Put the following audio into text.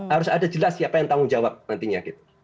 harus ada jelas siapa yang tanggung jawab nantinya gitu